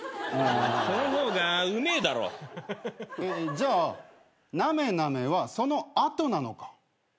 じゃあなめなめはその後なのか。